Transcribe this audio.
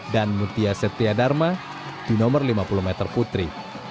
dan mutia setia dharma di nomor lima puluh meter putri